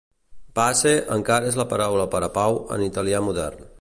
"Pace" encara és la paraula per a "pau" en italià modern.